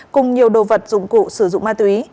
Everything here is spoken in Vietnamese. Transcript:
cùng nhiều đồ vật dụng cụ sử dụng ma túy